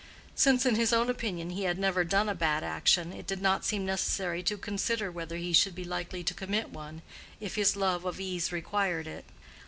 Since in his own opinion he had never done a bad action, it did not seem necessary to consider whether he should be likely to commit one if his love of ease required it.